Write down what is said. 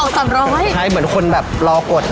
ใช่เหมือนคนแบบรอกด